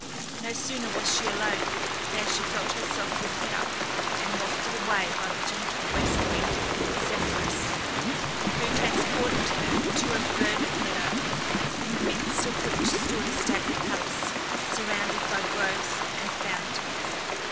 No sooner was she alone than she felt herself lifted up, and wafted away by the gentle west wind Zephyrus, who transported her to a verdant meadow, in the midst of which stood a stately palace, surrounded by groves and fountains.